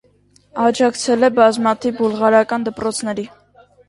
Աջակցել է բազմաթիվ բուլղարական դպրոցների։